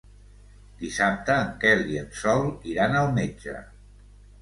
Dissabte en Quel i en Sol iran al metge.